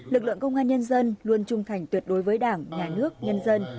lực lượng công an nhân dân luôn trung thành tuyệt đối với đảng nhà nước nhân dân